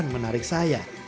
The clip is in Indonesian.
yang menarik saya